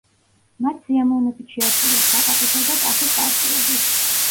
მათ სიამოვნებით შეასრულეს ბაყაყისა და ტახის პარტიები.